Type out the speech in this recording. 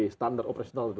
standar operasional itu